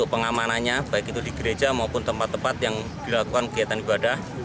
pengamanannya baik itu di gereja maupun tempat tempat yang dilakukan kegiatan ibadah